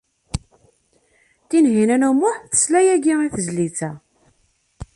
Tinhinan u Muḥ tesla yagi i tezlit-a.